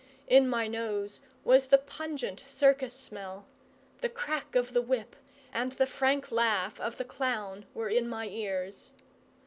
In my nose was the pungent circus smell; the crack of the whip and the frank laugh of the clown were in my ears.